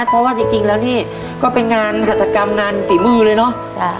เพราะว่าจริงแล้วนี่ก็เป็นงานหัตกรรมงานฝีมือเลยเนาะ